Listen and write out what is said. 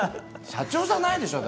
社長じゃないでしょう。